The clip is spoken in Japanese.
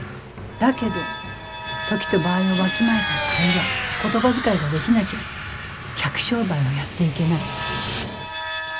だけど時と場合をわきまえた会話言葉遣いができなきゃ客商売はやっていけない。